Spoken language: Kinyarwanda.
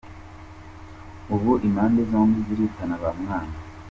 Ubu impande zombi ziritana ba mwana.